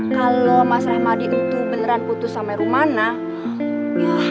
kalau mas rahmadi itu beneran putus sama rumah nak